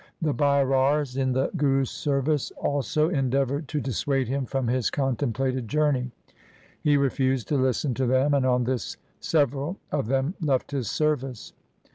The Bairars in the Guru's service also endeavoured to dissuade him from his contemplated journey. He refused to listen to them, and on this several of them left his service.